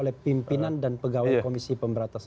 oleh pimpinan dan pegawai komisi pemberantasan